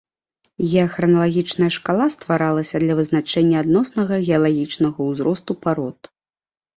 Геахраналагічная шкала стваралася для вызначэння адноснага геалагічнага ўзросту парод.